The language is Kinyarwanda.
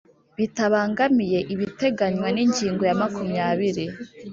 Bitabangamiye ibiteganywa n’ingingo ya makumyabiri